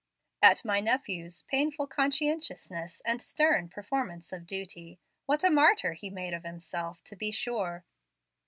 "At my nephew's painful conscientiousness and stern performance of duty. What a martyr he made of himself, to be sure!"